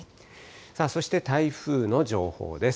さあそして、台風の情報です。